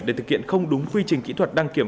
để thực hiện không đúng quy trình kỹ thuật đăng kiểm